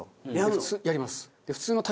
やります。